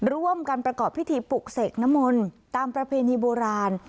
ร่วมกันประกอบพิธีปลุกเสกนมลตามประเพณีโบราณ